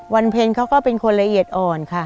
วันเพ็ญเขาก็เป็นคนละเอียดอ่อนค่ะ